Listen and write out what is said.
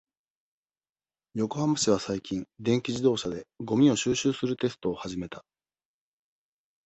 横浜市は、最近、電気自動車で、ごみを収集するテストを始めた。